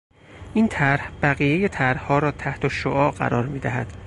این طرح بقیهی طرحها را تحتالشعاع قرار میدهد.